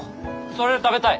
それ食べたい！